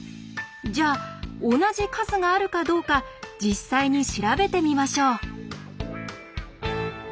じゃあ同じ数があるかどうか実際に調べてみましょう。